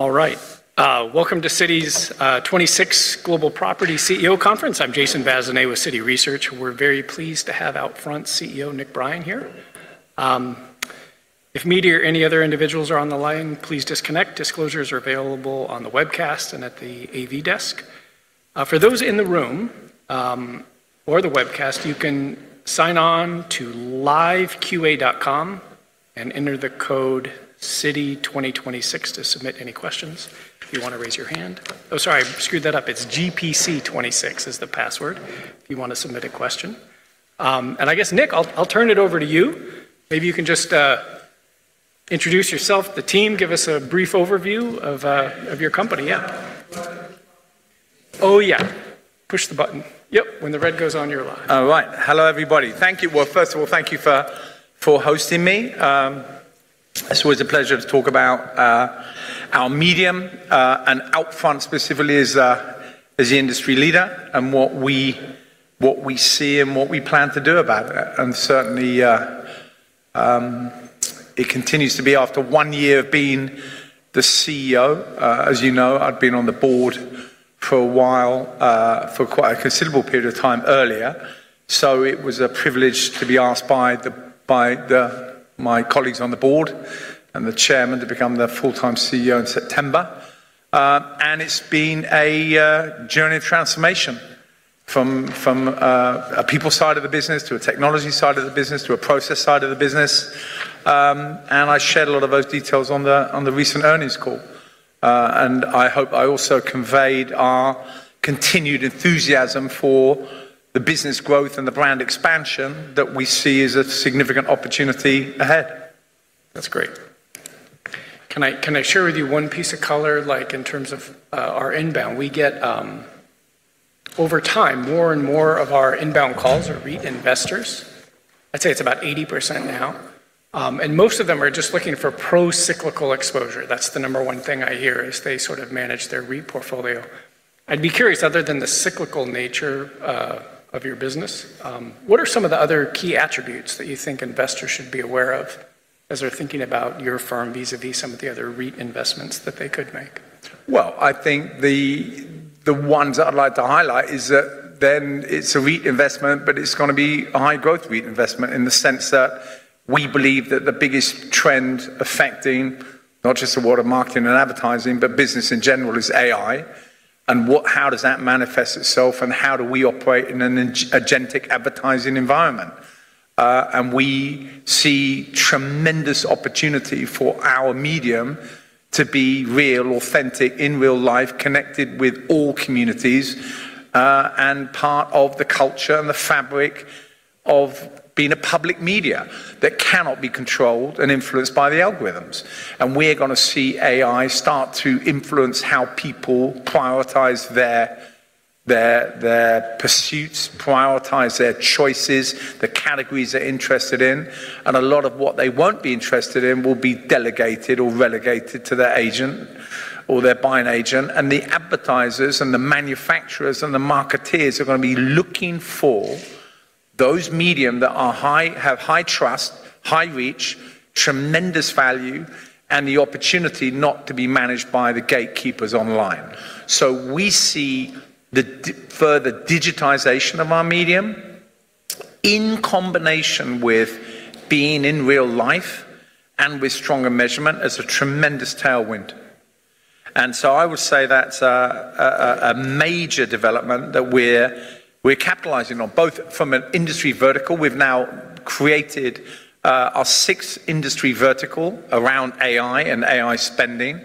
All right. Welcome to Citi's 26th Global Property CEO Conference. I'm Jason Bazinet with Citi Research. We're very pleased to have Outfront CEO Nick Brien here. If me or any other individuals are on the line, please disconnect. Disclosures are available on the webcast and at the AV desk. For those in the room, or the webcast, you can sign on to liveqa.com and enter the code CITI2026 to submit any questions. If you wanna raise your hand... Sorry, I screwed that up. It's GPC26 is the password if you wanna submit a question. I guess, Nick, I'll turn it over to you. Maybe you can just introduce yourself, the team, give us a brief overview of your company. Yeah. Oh, yeah. Push the button. Yep. When the red goes on, you're live. All right. Hello, everybody. Thank you. Well, first of all, thank you for hosting me. It's always a pleasure to talk about our medium and Outfront specifically as the industry leader and what we, what we see and what we plan to do about it. Certainly, it continues to be after one year of being the CEO. As you know, I'd been on the board for a while, for quite a considerable period of time earlier. It was a privilege to be asked by my colleagues on the board and the Chairman to become the full-time CEO in September. It's been a journey of transformation from a people side of the business to a technology side of the business to a process side of the business. I shared a lot of those details on the recent earnings call. I hope I also conveyed our continued enthusiasm for the business growth and the brand expansion that we see as a significant opportunity ahead. That's great. Can I share with you one piece of color, like, in terms of our inbound? We get Over time, more and more of our inbound calls are REIT investors. I'd say it's about 80% now. Most of them are just looking for pro-cyclical exposure. That's the number one thing I hear, is they sort of manage their REIT portfolio. I'd be curious, other than the cyclical nature of your business, what are some of the other key attributes that you think investors should be aware of as they're thinking about your firm vis-à-vis some of the other REIT investments that they could make? I think the ones I'd like to highlight is that it's a REIT investment, but it's gonna be a high-growth REIT investment in the sense that we believe that the biggest trend affecting not just the world of marketing and advertising, but business in general, is AI, how does that manifest itself, and how do we operate in an agentic advertising environment? We see tremendous opportunity for our medium to be real, authentic, in real life, connected with all communities, and part of the culture and the fabric of being a public media that cannot be controlled and influenced by the algorithms. We're gonna see AI start to influence how people prioritize their pursuits, prioritize their choices, the categories they're interested in, and a lot of what they won't be interested in will be delegated or relegated to their agent or their buying agent. The advertisers and the manufacturers and the marketeers are gonna be looking for those medium that are high, have high trust, high reach, tremendous value, and the opportunity not to be managed by the gatekeepers online. We see the further digitization of our medium in combination with being in real life and with stronger measurement as a tremendous tailwind. I would say that's a major development that we're capitalizing on, both from an industry vertical. We've now created our sixth industry vertical around AI and AI spending.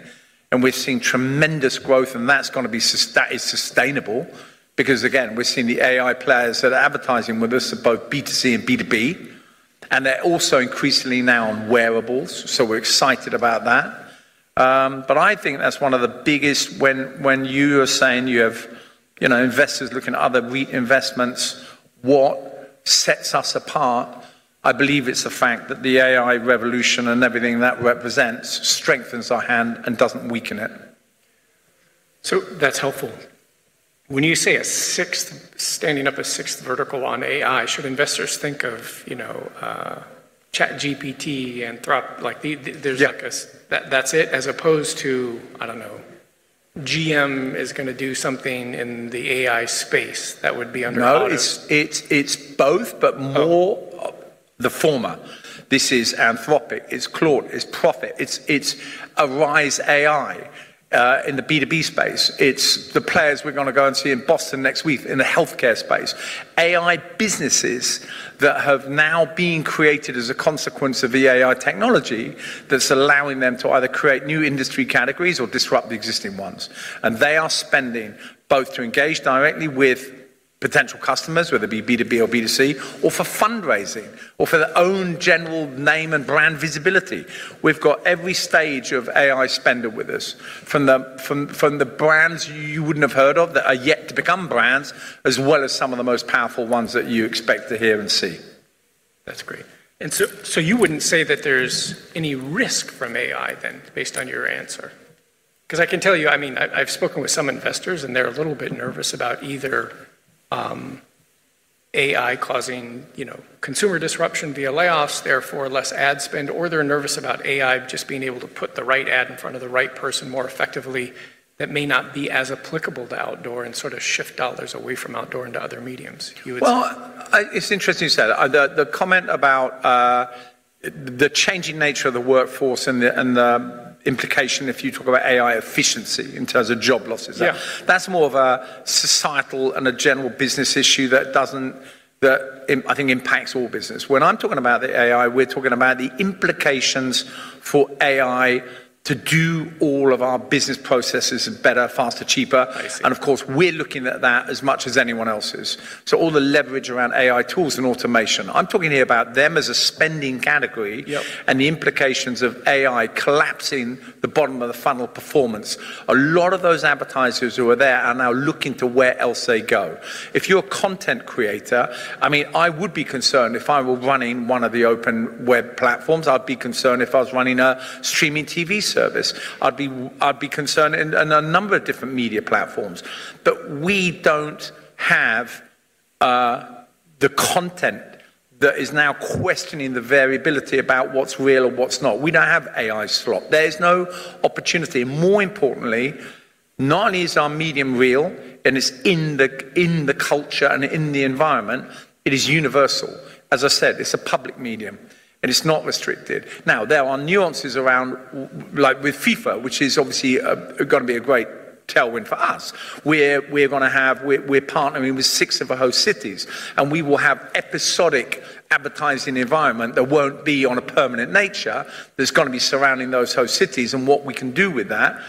We're seeing tremendous growth. That's gonna be that is sustainable because, again, we're seeing the AI players that are advertising with us are both B2C and B2B. They're also increasingly now on wearables. We're excited about that. I think that's one of the biggest when you are saying you have, you know, investors looking at other REIT investments, what sets us apart, I believe it's the fact that the AI revolution and everything that represents strengthens our hand and doesn't weaken it. That's helpful. When you say a sixth, standing up a sixth vertical on AI, should investors think of, you know, ChatGPT, Anthropic... Yeah like the, there's like a. Yeah that's it, as opposed to, I don't know, GM is gonna do something in the AI space that would be under auto? No, it's both but more- Oh... the former. This is Anthropic, it's Claude, it's Petri, it's Arize AI in the B2B space. It's the players we're gonna go and see in Boston next week in the healthcare space. AI businesses that have now been created as a consequence of the AI technology that's allowing them to either create new industry categories or disrupt the existing ones. They are spending both to engage directly with potential customers, whether it be B2B or B2C, or for fundraising or for their own general name and brand visibility. We've got every stage of AI spender with us, from the brands you wouldn't have heard of that are yet to become brands, as well as some of the most powerful ones that you expect to hear and see. That's great. So you wouldn't say that there's any risk from AI then, based on your answer? 'Cause I can tell you, I mean, I've spoken with some investors, and they're a little bit nervous about either AI causing, you know, consumer disruption via layoffs, therefore less ad spend, or they're nervous about AI just being able to put the right ad in front of the right person more effectively that may not be as applicable to outdoor and sort of shift dollars away from outdoor into other mediums. You would say Well, it's interesting you said, the comment about the changing nature of the workforce and the implication if you talk about AI efficiency in terms of job losses. Yeah. That's more of a societal and a general business issue that I think impacts all business. When I'm talking about the AI, we're talking about the implications for AI to do all of our business processes better, faster, cheaper. I see. Of course, we're looking at that as much as anyone else is. All the leverage around AI tools and automation. I'm talking here about them as a spending category. Yep. The implications of AI collapsing the bottom of the funnel performance. A lot of those advertisers who are there are now looking to where else they go. If you're a content creator, I mean, I would be concerned if I were running one of the open web platforms. I'd be concerned if I was running a streaming TV service. I'd be concerned in a number of different media platforms. We don't have the content that is now questioning the variability about what's real and what's not. We don't have AI slot. There is no opportunity. More importantly, not only is our medium real, and it's in the culture and in the environment, it is universal. As I said, it's a public medium, and it's not restricted. There are nuances around like with FIFA, which is obviously, gonna be a great tailwind for us, where we're gonna have, we're partnering with six of the host cities, and we will have episodic advertising environment that won't be on a permanent nature, that's gonna be surrounding those host cities and what we can do with that.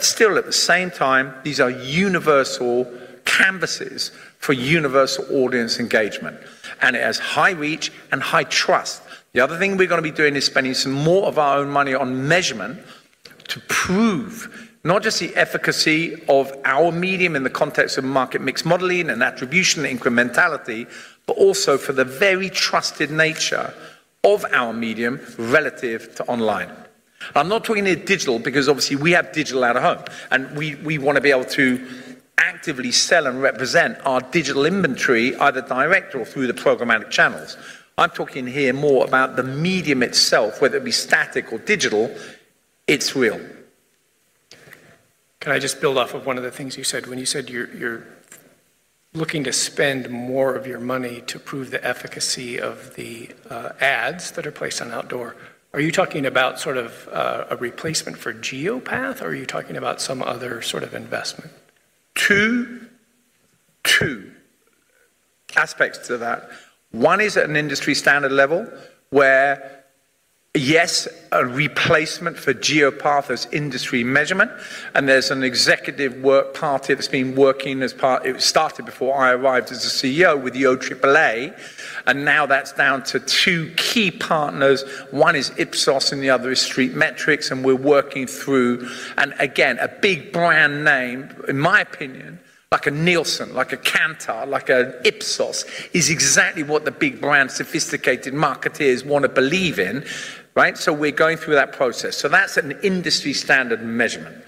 Still at the same time, these are universal canvases for universal audience engagement, and it has high reach and high trust. The other thing we're gonna be doing is spending some more of our own money on measurement to prove not just the efficacy of our medium in the context of market mix modeling and attribution incrementality, but also for the very trusted nature of our medium relative to online. I'm not talking here digital, because obviously we have digital out-of-home, and we wanna be able to actively sell and represent our digital inventory either direct or through the programmatic channels. I'm talking here more about the medium itself, whether it be static or digital, it's real. Can I just build off of one of the things you said? When you said you're looking to spend more of your money to prove the efficacy of the ads that are placed on outdoor, are you talking about sort of a replacement for Geopath, or are you talking about some other sort of investment? Two aspects to that. One is at an industry standard level, where, yes, a replacement for Geopath as industry measurement. There's an executive work party that's been working. It started before I arrived as a CEO with the OAAA. Now that's down to two key partners. One is Ipsos and the other is Street Metrics. We're working through. Again, a big brand name, in my opinion, like a Nielsen, like a Kantar, like an Ipsos, is exactly what the big brand sophisticated marketeers wanna believe in, right? We're going through that process. That's an industry standard measurement.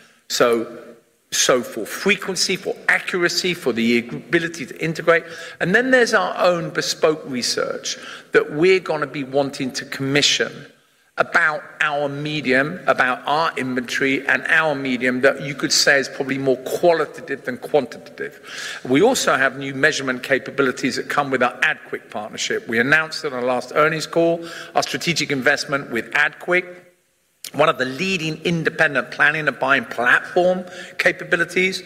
For frequency, for accuracy, for the ability to integrate. There's our own bespoke research that we're gonna be wanting to commission about our medium, about our inventory and our medium that you could say is probably more qualitative than quantitative. We also have new measurement capabilities that come with our AdQuick partnership. We announced in our last earnings call our strategic investment with AdQuick, one of the leading independent planning and buying platform capabilities.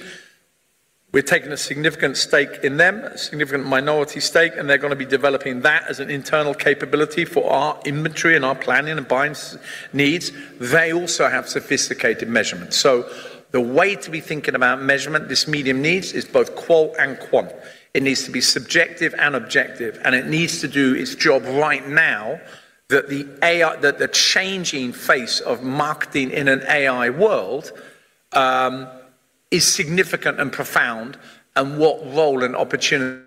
We're taking a significant stake in them, a significant minority stake, they're gonna be developing that as an internal capability for our inventory and our planning and buying needs. They also have sophisticated measurements. The way to be thinking about measurement this medium needs is both qual and quant. It needs to be subjective and objective, and it needs to do its job right now that the AI that the changing face of marketing in an AI world is significant and profound and what role and opportunity.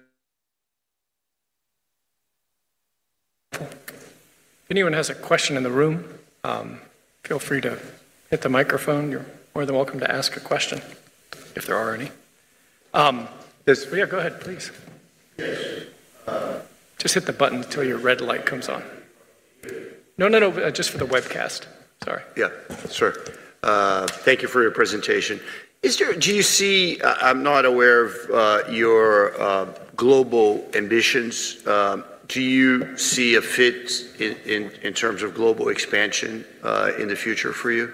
If anyone has a question in the room, feel free to hit the microphone. You're more than welcome to ask a question if there are any. Yes. Yeah, go ahead, please. Yes. Just hit the button until your red light comes on. Good. No, no, just for the webcast. Sorry. Yeah, sure. Thank you for your presentation. I'm not aware of your global ambitions. Do you see a fit in terms of global expansion in the future for you?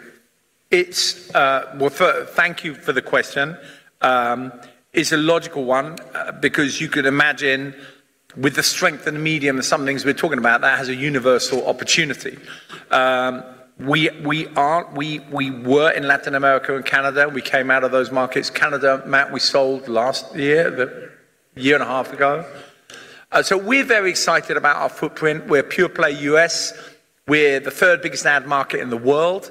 Well, thank you for the question. It's a logical one, because you could imagine with the strength and the medium of some things we're talking about, that has a universal opportunity. We were in Latin America and Canada. We came out of those markets. Canada, Matt, we sold last year, the year and a half ago. We're very excited about our footprint. We're pure play U.S. We're the third-biggest ad market in the world.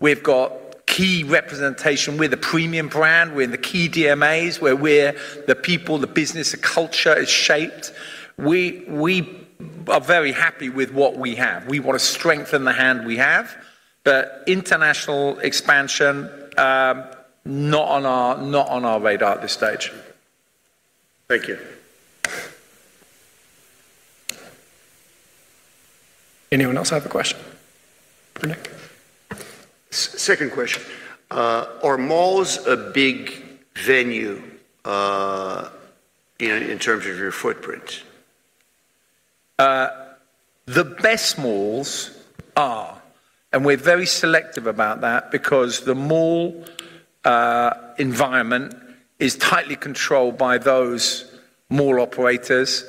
We've got key representation. We're the premium brand. We're in the key DMAs, where we're the people, the business, the culture is shaped. We are very happy with what we have. We wanna strengthen the hand we have. International expansion not on our radar at this stage. Thank you. Anyone else have a question? Nick. S-second question. Are malls a big venue, in terms of your footprint? The best malls are, we're very selective about that because the mall environment is tightly controlled by those mall operators.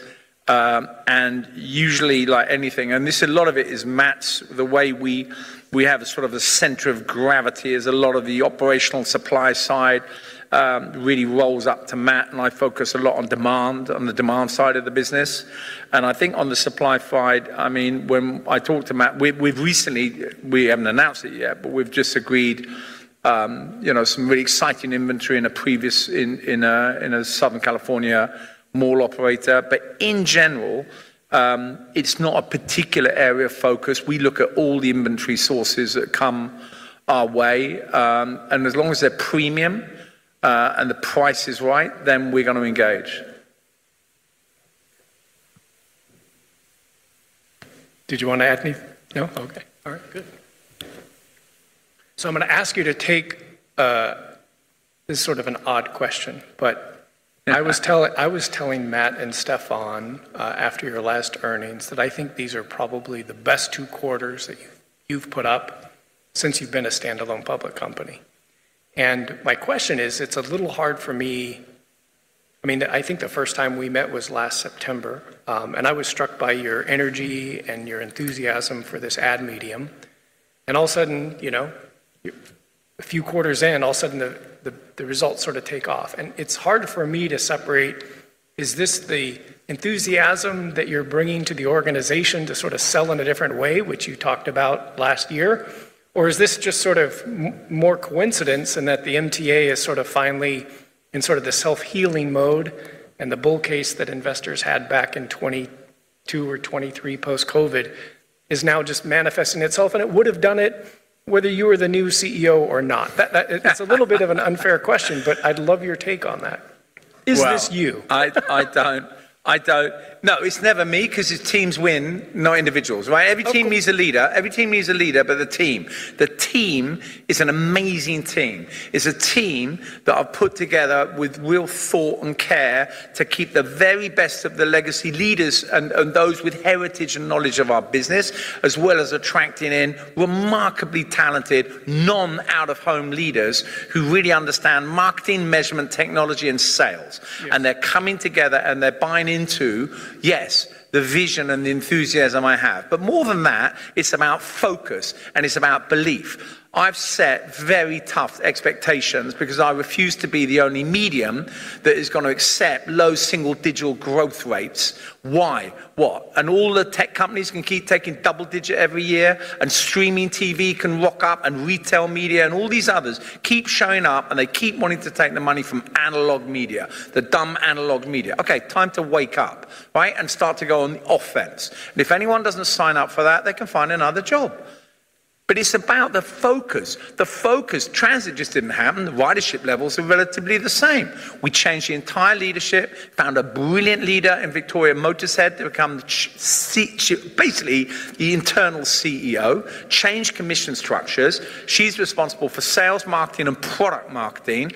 Usually like anything, and this a lot of it is Matt's the way we have a sort of a center of gravity is a lot of the operational supply side really rolls up to Matt, and I focus a lot on demand, on the demand side of the business. I think on the supply side, I mean, when I talk to Matt, we've recently we haven't announced it yet, but we've just agreed, you know, some really exciting inventory in a previous, in a Southern California mall operator. In general, it's not a particular area of focus. We look at all the inventory sources that come our way, and as long as they're premium, and the price is right, then we're gonna engage. Did you wanna add any? No. Okay. All right. Good. I'm gonna ask you to take, this is sort of an odd question, but I was telling Matt and Stefan, after your last earnings that I think these are probably the best two quarters that you've put up since you've been a standalone public company. My question is, it's a little hard for me... I mean, I think the first time we met was last September, and I was struck by your energy and your enthusiasm for this ad medium. All of a sudden, you know, a few quarters in, all of a sudden the results sort of take off. It's hard for me to separate, is this the enthusiasm that you're bringing to the organization to sort of sell in a different way, which you talked about last year? Or is this just sort of more coincidence and that the MTA is sort of finally in sort of the self-healing mode and the bull case that investors had back in 2022 or 2023 post-COVID is now just manifesting itself, and it would have done it whether you were the new CEO or not? It's a little bit of an unfair question, but I'd love your take on that. Well Is this you? I don't. No, it's never me 'cause it's teams win, not individuals, right? Okay. Every team needs a leader, but the team is an amazing team. It's a team that I've put together with real thought and care to keep the very best of the legacy leaders and those with heritage and knowledge of our business, as well as attracting in remarkably talented non-out-of-home leaders who really understand marketing, measurement, technology, and sales. Yeah. They're coming together, they're buying into, yes, the vision and the enthusiasm I have. More than that, it's about focus, and it's about belief. I've set very tough expectations because I refuse to be the only medium that is gonna accept low single-digit growth rates. Why? What? All the tech companies can keep taking double-digit every year, streaming TV can rock up, retail media, and all these others keep showing up, and they keep wanting to take the money from analog media, the dumb analog media. Okay, time to wake up, right? Start to go on offense. If anyone doesn't sign up for that, they can find another job. It's about the focus. The focus. Transit just didn't happen. The ridership levels are relatively the same. We changed the entire leadership, found a brilliant leader in Victoria Mottershead to become basically the internal CEO, changed commission structures. She's responsible for sales, marketing, and product marketing.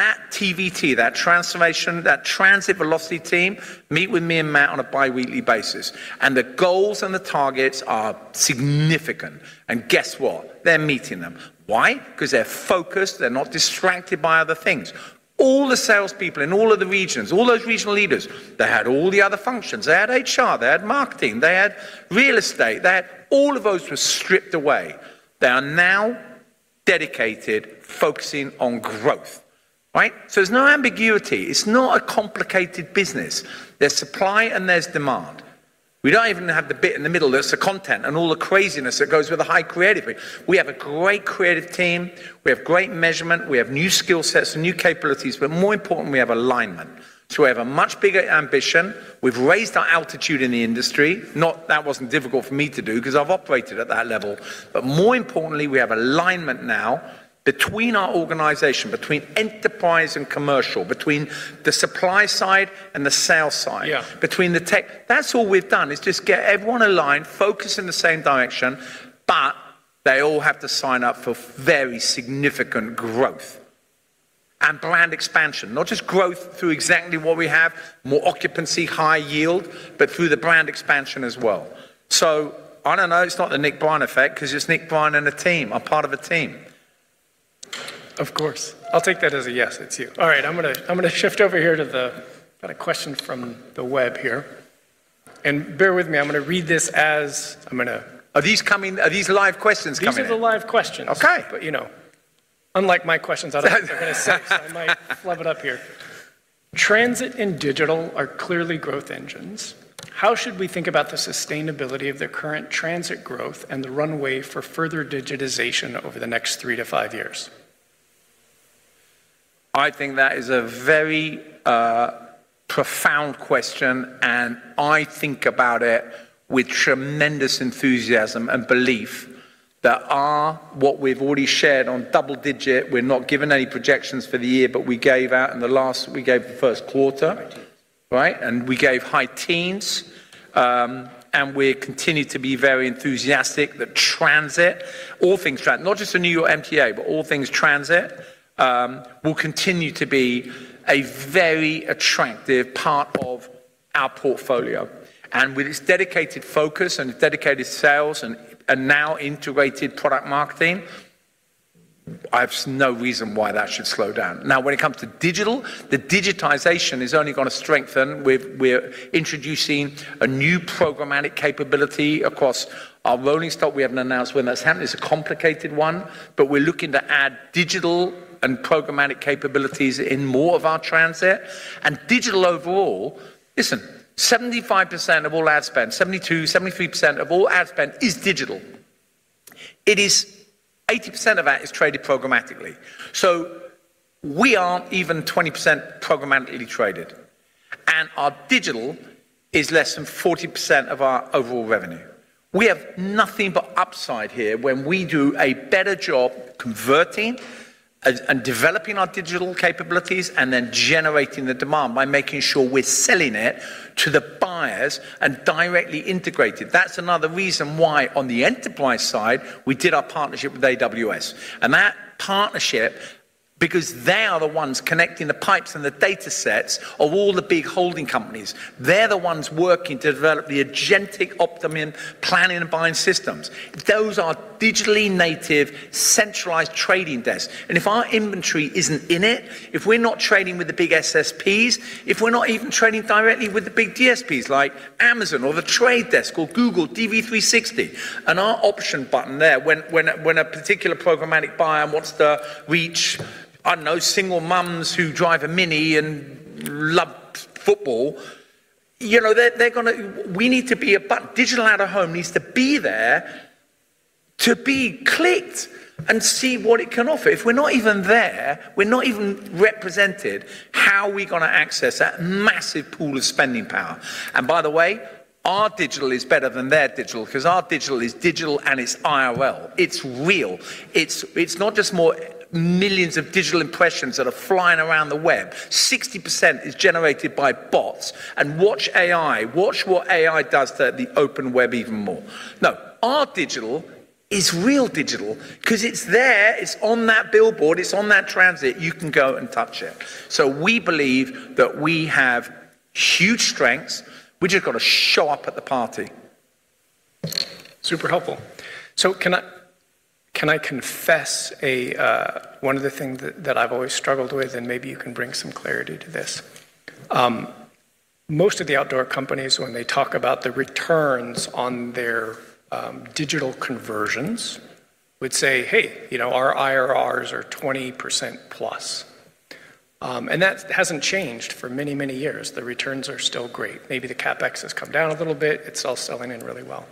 That TVT, that transformation, that transit velocity team meet with me and Matt on a bi-weekly basis. The goals and the targets are significant. Guess what? They're meeting them. Why? 'Cause they're focused. They're not distracted by other things. All the salespeople in all of the regions, all those regional leaders, they had all the other functions. They had HR, they had marketing, they had real estate, they had. All of those were stripped away. They are now dedicated, focusing on growth, right? There's no ambiguity. It's not a complicated business. There's supply and there's demand. We don't even have the bit in the middle. There's the content and all the craziness that goes with the high creative bit. We have a great creative team. We have great measurement. We have new skill sets and new capabilities. More importantly, we have alignment. We have a much bigger ambition. We've raised our altitude in the industry. That wasn't difficult for me to do 'cause I've operated at that level. More importantly, we have alignment now between our organization, between enterprise and commercial, between the supply side and the sales side. Yeah Between the tech. That's all we've done is just get everyone aligned, focused in the same direction, but they all have to sign up for very significant growth and brand expansion. Not just growth through exactly what we have, more occupancy, high yield, but through the brand expansion as well. I don't know. It's not the Nick Brien effect 'cause it's Nick Brien and the team. I'm part of a team. Of course. I'll take that as a yes, it's you. All right. I'm gonna shift over here. Got a question from the web here. Bear with me, I'm gonna read this as... Are these live questions coming in? These are the live questions. Okay. You know, unlike my questions, I might flub it up here. Transit and digital are clearly growth engines. How should we think about the sustainability of the current transit growth and the runway for further digitization over the next three to five years? I think that is a very profound question. I think about it with tremendous enthusiasm and belief that our, what we've already shared on double-digit, we're not giving any projections for the year, but we gave out in the last we gave the first quarter. Right? We gave high teens, and we continue to be very enthusiastic that transit, all things transit, not just the New York MTA, but all things transit, will continue to be a very attractive part of our portfolio. With its dedicated focus and dedicated sales and now integrated product marketing, I have no reason why that should slow down. When it comes to digital, the digitization is only gonna strengthen. We're introducing a new programmatic capability across our rolling stock. We haven't announced when that's happening. It's a complicated one. We're looking to add digital and programmatic capabilities in more of our transit. Digital overall, listen, 75% of all ad spend, 72%, 73% of all ad spend is digital. 80% of that is traded programmatically. We aren't even 20% programmatically traded, and our digital is less than 40% of our overall revenue. We have nothing but upside here when we do a better job converting and developing our digital capabilities and then generating the demand by making sure we're selling it to the buyers and directly integrated. That's another reason why on the enterprise side, we did our partnership with AWS. That partnership, because they are the ones connecting the pipes and the datasets of all the big holding companies. They're the ones working to develop the agentic optimum planning and buying systems. If those are digitally native, centralized trading desks, and if our inventory isn't in it, if we're not trading with the big SSPs, if we're not even trading directly with the big DSPs like Amazon or The Trade Desk or Google, DV360. Our option button there when a particular programmatic buyer wants to reach, I don't know, single moms who drive a MINI and love football, you know, digital out-of-home needs to be there to be clicked and see what it can offer. If we're not even there, we're not even represented, how are we gonna access that massive pool of spending power? By the way, our digital is better than their digital because our digital is digital, and it's IRL. It's real. It's not just more millions of digital impressions that are flying around the web. 60% is generated by bots. Watch AI. Watch what AI does to the open web even more. Our digital is real digital because it's there, it's on that billboard, it's on that transit. You can go and touch it. We believe that we have huge strengths. We've just got to show up at the party. Super helpful. Can I confess a, one of the things that I've always struggled with, and maybe you can bring some clarity to this? Most of the outdoor companies, when they talk about the returns on their digital conversions, would say, "Hey, you know, our IRR are 20%+." That hasn't changed for many years. The returns are still great. Maybe the CapEx has come down a little bit. It's all selling in really well.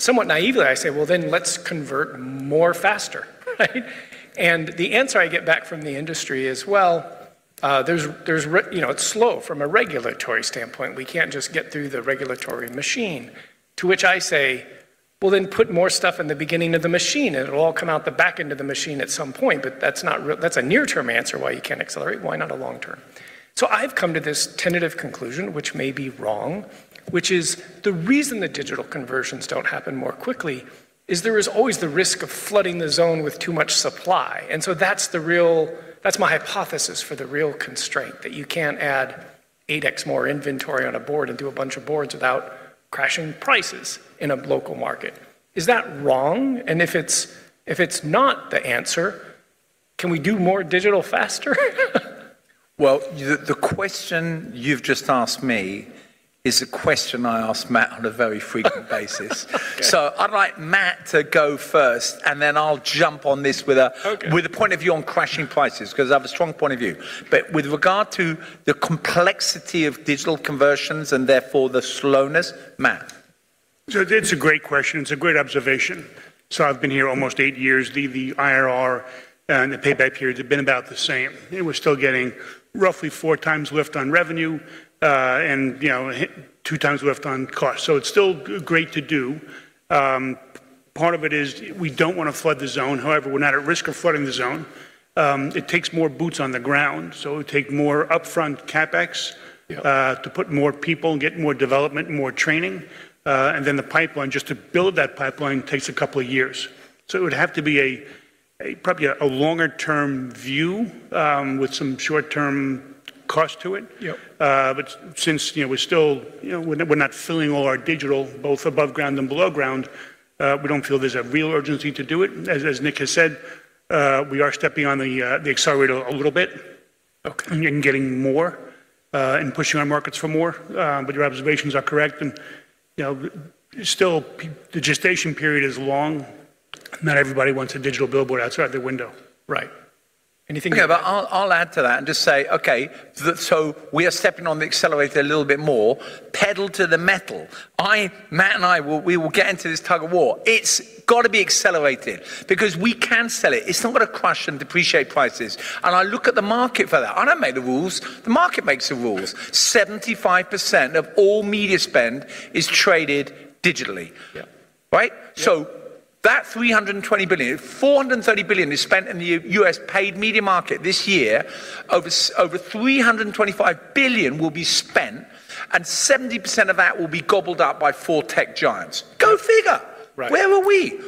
Somewhat naively, I say, "Let's convert more faster," right? The answer I get back from the industry is, "There's, you know, it's slow from a regulatory standpoint. We can't just get through the regulatory machine." To which I say, "Put more stuff in the beginning of the machine, and it'll all come out the back end of the machine at some point." That's a near-term answer why you can't accelerate. Why not a long term? I've come to this tentative conclusion, which may be wrong, which is the reason the digital conversions don't happen more quickly is there is always the risk of flooding the zone with too much supply. That's my hypothesis for the real constraint, that you can't add 8x more inventory on a board and do a bunch of boards without crashing prices in a local market. Is that wrong? If it's not the answer, can we do more digital faster? Well, the question you've just asked me is a question I ask Matt on a very frequent basis. Okay. I'd like Matt to go first, and then I'll jump on this. Okay. With a point of view on crashing prices because I have a strong point of view. With regard to the complexity of digital conversions and therefore the slowness, Matt. It's a great question. It's a great observation. I've been here almost eight years. The IRR and the payback periods have been about the same. We're still getting roughly four times lift on revenue, and, you know, two times lift on cost. It's still great to do. Part of it is we don't wanna flood the zone. However, we're not at risk of flooding the zone. It takes more boots on the ground. It would take more upfront CapEx. Yeah. to put more people and get more development and more training. Then the pipeline, just to build that pipeline takes a couple of years. It would have to be a probably a longer-term view, with some short-term cost to it. Yep. Since, you know, we're still, you know, we're not filling all our digital, both above ground and below ground, we don't feel there's a real urgency to do it. As Nick has said, we are stepping on the accelerator a little bit. Okay. Getting more, and pushing our markets for more. Your observations are correct. You know, still the gestation period is long. Not everybody wants a digital billboard outside their window. Right. Anything No, but I'll add to that and just say, okay, so we are stepping on the accelerator a little bit more, pedal to the metal. Matt and I, we will get into this tug of war. It's gotta be accelerated because we can sell it. It's not gonna crush and depreciate prices. I look at the market for that. I don't make the rules. The market makes the rules. 75% of all media spend is traded digitally. Yeah. Right? Yeah. That $320 billion, $430 billion is spent in the U.S. paid media market this year. Over $325 billion will be spent, and 70% of that will be gobbled up by four tech giants. Go figure. Right. Where were we?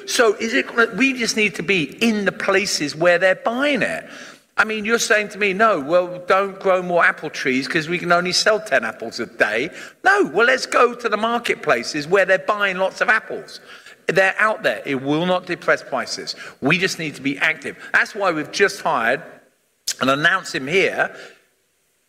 We just need to be in the places where they're buying it. I mean, you're saying to me, "No, well, don't grow more apple trees 'cause we can only sell 10 apples a day." No. Well, let's go to the marketplaces where they're buying lots of apples. They're out there. It will not depress prices. We just need to be active. That's why we've just hired, and announce him here,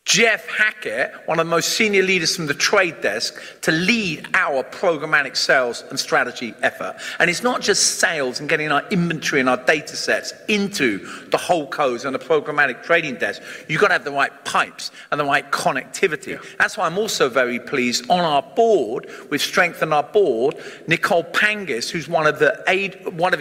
Jeff Hackett, one of the most senior leaders from The Trade Desk, to lead our programmatic sales and strategy effort. It's not just sales and getting our inventory and our datasets into the HoldCos on a programmatic trading desk. You've gotta have the right pipes and the right connectivity. Yeah. That's why I'm also very pleased on our board, we've strengthened our board, Nicolle Pangis, who's one of the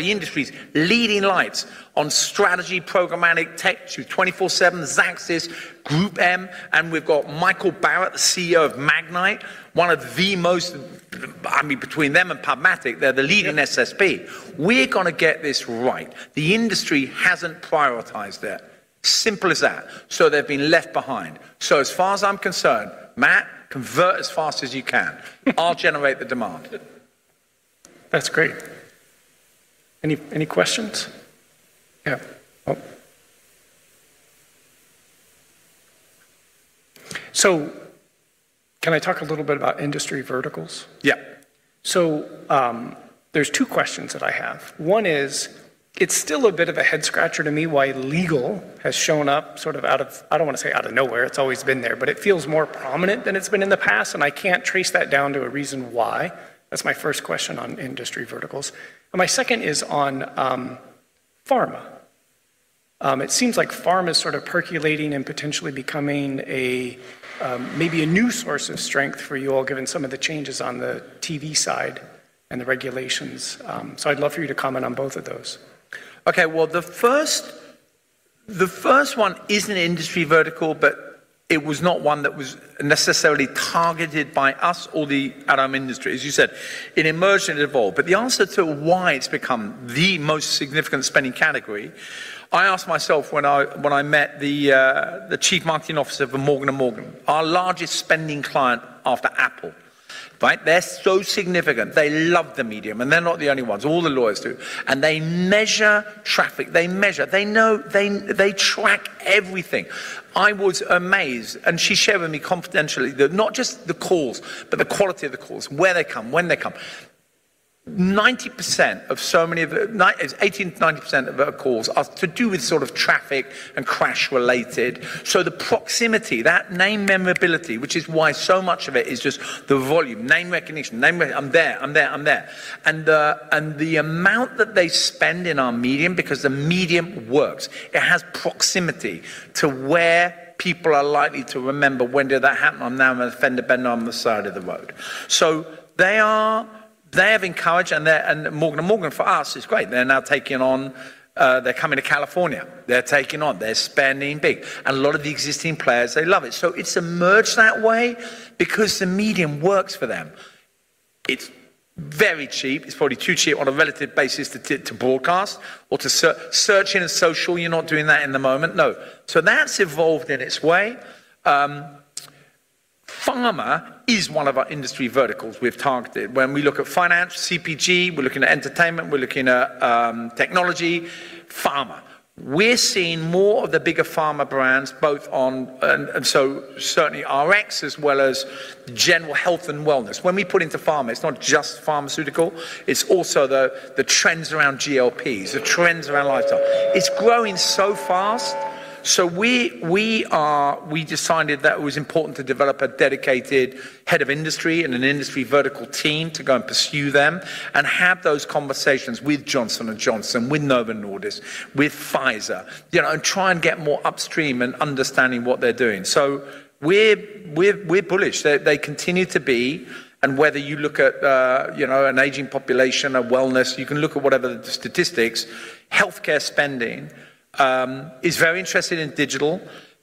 industry's leading lights on strategy, programmatic tech through 24/7, Xaxis, GroupM, and we've got Michael Barrett, the CEO of Magnite, one of the most. I mean, between them and PubMatic, they're the leading SSP. We're gonna get this right. The industry hasn't prioritized it, simple as that, so they've been left behind. As far as I'm concerned, Matt, convert as fast as you can. I'll generate the demand. That's great. Any questions? Yeah. Oh. Can I talk a little bit about industry verticals? Yeah. There's two questions that I have. One is, it's still a bit of a head scratcher to me why legal has shown up sort of out of... I don't wanna say out of nowhere, it's always been there, but it feels more prominent than it's been in the past, and I can't trace that down to a reason why. That's my first question on industry verticals. My second is on pharma. It seems like pharma is sort of percolating and potentially becoming a, maybe a new source of strength for you all, given some of the changes on the TV side and the regulations. I'd love for you to comment on both of those. Well, the first one is an industry vertical, it was not one that was necessarily targeted by us or our industry. As you said, it emerged and evolved. The answer to why it's become the most significant spending category, I asked myself when I met the Chief Marketing Officer for Morgan & Morgan, our largest spending client after Apple, right? They're so significant. They love the medium, they're not the only ones. All the lawyers do. They measure traffic. They measure. They track everything. I was amazed, she shared with me confidentially that not just the calls, the quality of the calls, where they come, when they come. 18%-90% of her calls are to do with sort of traffic and crash related. The proximity, that name memorability, which is why so much of it is just the volume, name recognition. I'm there, I'm there, I'm there. The amount that they spend in our medium because the medium works. It has proximity to where people are likely to remember when did that happen. I'm now in a fender bender on the side of the road. They have encouraged, and they're. Morgan & Morgan for us is great. They're now taking on, they're coming to California. They're taking on. They're spending big. A lot of the existing players, they love it. It's emerged that way because the medium works for them. It's very cheap. It's probably too cheap on a relative basis to broadcast or to searching and social, you're not doing that in the moment. No. That's evolved in its way. Pharma is one of our industry verticals we've targeted. When we look at finance, CPG, we're looking at entertainment, we're looking at technology, pharma. We're seeing more of the bigger pharma brands both on, and so certainly RX as well as general health and wellness. When we put into pharma, it's not just pharmaceutical, it's also the trends around GLP-1s, the trends around lifestyle. It's growing so fast, we decided that it was important to develop a dedicated head of industry and an industry vertical team to go and pursue them and have those conversations with Johnson & Johnson, with Novo Nordisk, with Pfizer. You know, try and get more upstream and understanding what they're doing. We're bullish. They continue to be, whether you look at, you know, an aging population, a wellness, you can look at whatever the statistics, healthcare spending, is very interested in digital.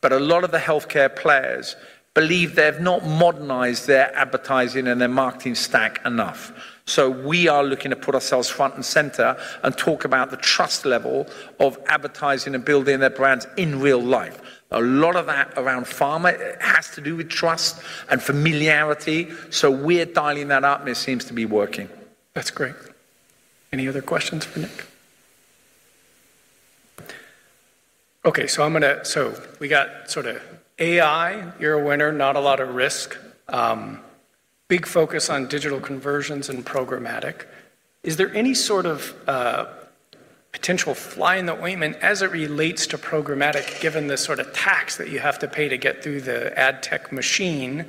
A lot of the healthcare players believe they've not modernized their advertising and their marketing stack enough. We are looking to put ourselves front and center and talk about the trust level of advertising and building their brands in real life. A lot of that around pharma has to do with trust and familiarity. We're dialing that up and it seems to be working. That's great. Any other questions for Nick? We got sort of AI, you're a winner, not a lot of risk. Big focus on digital conversions and programmatic. Is there any sort of potential fly in the ointment as it relates to programmatic given the sort of tax that you have to pay to get through the ad tech machine?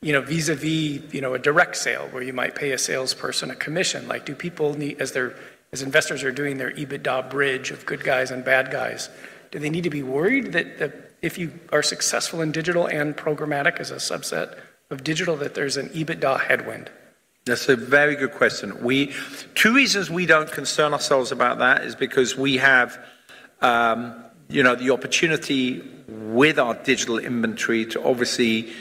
You know, vis-a-vis, you know, a direct sale where you might pay a salesperson a commission. As investors are doing their EBITDA bridge of good guys and bad guys, do they need to be worried that if you are successful in digital and programmatic as a subset of digital, that there's an EBITDA headwind? That's a very good question. Two reasons we don't concern ourselves about that is because we have, you know, the opportunity with our digital inventory to obviously,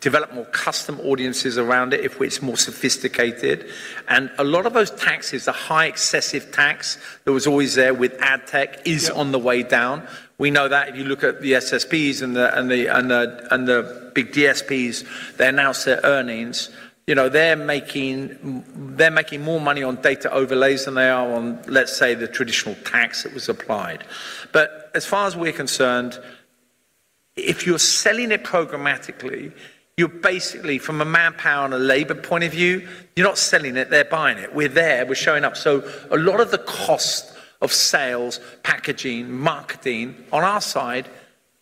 develop more custom audiences around it if it's more sophisticated. A lot of those taxes, the high excessive tax that was always there with ad tech is on the way down. We know that if you look at the SSPs and the big DSPs, they announce their earnings. You know, they're making more money on data overlays than they are on, let's say, the traditional tax that was applied. As far as we're concerned, if you're selling it programmatically, you're basically, from a manpower and a labor point of view, you're not selling it, they're buying it. We're there, we're showing up. A lot of the cost of sales, packaging, marketing on our side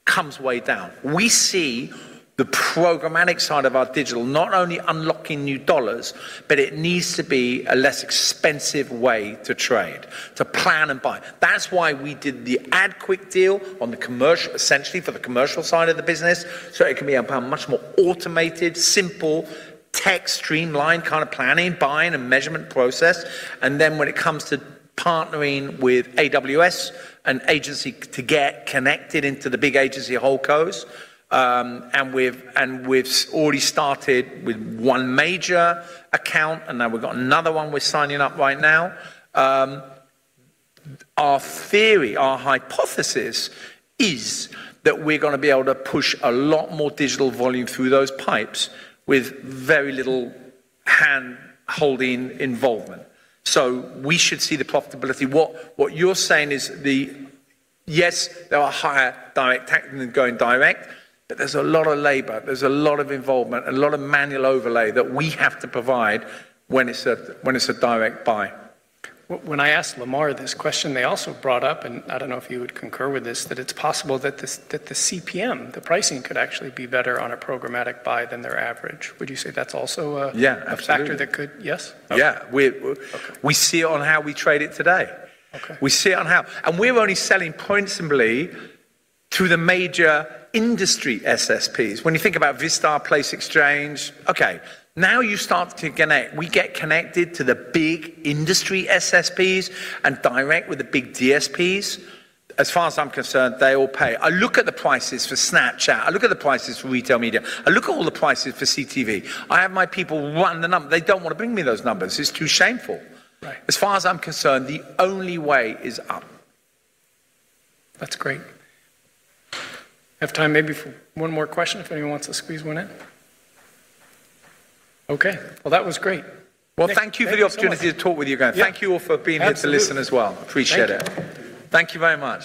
comes way down. We see the programmatic side of our digital not only unlocking new dollars, but it needs to be a less expensive way to trade, to plan and buy. That's why we did the AdQuick deal essentially for the commercial side of the business, so it can be a much more automated, simple, tech-streamlined kind of planning, buying and measurement process. Then when it comes to partnering with AWS and agency to get connected into the big agency HoldCos, and we've already started with one major account, and now we've got another one we're signing up right now. Our theory, our hypothesis is that we're gonna be able to push a lot more digital volume through those pipes with very little hand-holding involvement. We should see the profitability. What you're saying is, Yes, there are higher direct than going direct, but there's a lot of labor, there's a lot of involvement, a lot of manual overlay that we have to provide when it's a direct buy. When I asked Lamar this question, they also brought up, and I don't know if you would concur with this, that it's possible that the CPM, the pricing could actually be better on a programmatic buy than their average. Would you say that's also a-? Yeah, absolutely. a factor that could... Yes? Yeah. Okay. We see it on how we trade it today. Okay. We see it on how. We're only selling programmatically through the major industry SSPs. When you think about Vistar, Place Exchange. Okay, now you start to connect. We get connected to the big industry SSPs and direct with the big DSPs. As far as I'm concerned, they all pay. I look at the prices for Snapchat, I look at the prices for retail media, I look at all the prices for CTV. They don't wanna bring me those numbers. It's too shameful. Right. As far as I'm concerned, the only way is up. That's great. We have time maybe for one more question, if anyone wants to squeeze one in. Okay. Well, that was great. Well, thank you for the opportunity. Thank you so much. to talk with you guys. Yeah. Thank you all for being here. Absolutely. to listen as well. Appreciate it. Thank you. Thank you very much.